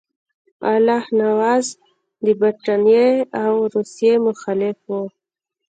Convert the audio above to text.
الله نواز د برټانیې او روسیې مخالف وو.